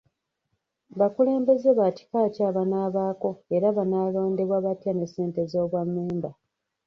Bakulembeze ba kika ki abanaabaako era banaalondebwa batya ne ssente z’obwammemba.